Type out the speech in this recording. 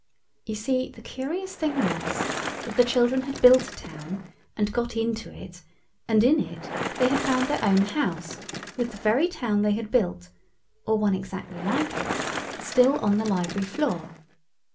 You see the curious thing was that the children had built a town and got into it, and in it they had found their own house with the very town they had built—or one exactly like it—still on the library floor.